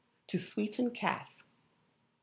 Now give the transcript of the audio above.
To Sweeten Casks.